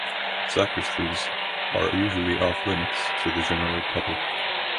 Sacristies are usually off limits to the general public.